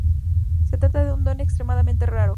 Se trata de un don extremadamente raro.